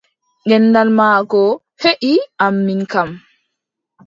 Gendal maako heʼi am min kam!